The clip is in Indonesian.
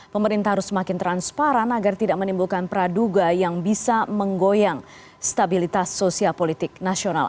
pemerintah harus semakin transparan agar tidak menimbulkan praduga yang bisa menggoyang stabilitas sosial politik nasional